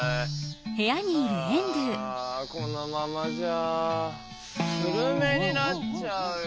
あこのままじゃスルメになっちゃうよ。